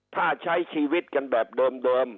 ถ้าใช้ชีวิตกันแบบเดิม